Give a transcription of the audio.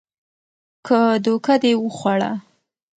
که دوکه دې وخوړه